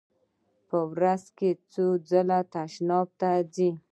په ورځ کې څو ځله تشناب ته ځئ؟